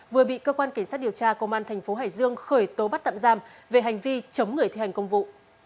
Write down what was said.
vừa bị cơ quan kiến sát điều tra công an tp hải dương khởi tố bắt tạm giam về hành vi chống người thi hành công vụ